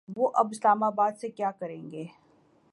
وہ اب اسلام آباد سے کیا کریں گے۔